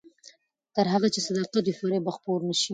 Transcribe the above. تر هغه چې صداقت وي، فریب به خپور نه شي.